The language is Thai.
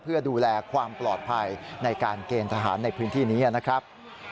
เพื่อดูแลความปลอดภัยในการเกณฑ์ทหารในพื้นที่นี้นะครับ